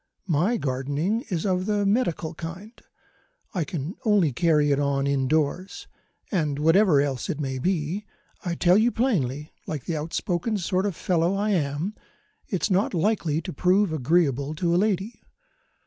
My gardening is of the medical kind I can only carry it on indoors and whatever else it may be, I tell you plainly, like the outspoken sort of fellow I am, it's not likely to prove agreeable to a lady.